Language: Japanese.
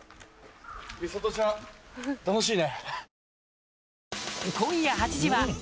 美里ちゃん楽しいね。